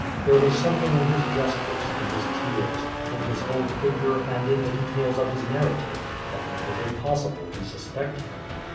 There was something in his gestures, in his tears, in his whole figure, and in the details of his narrative, that made it impossible to suspect him.